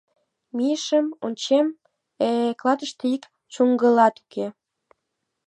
Мийышым, ончем: э-э, клатыште ик чуҥгылат уке...